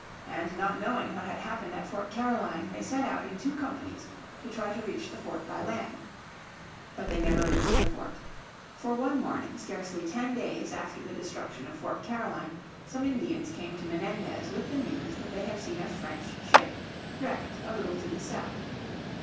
And not knowing what had happened at Fort Caroline they set out in two companies to try to reach the fort by land. But they never reached the fort. For one morning scarcely ten days after the destruction of Fort Caroline some Indians came to Menendez with the news that they had seen a French ship wrecked a little to the south.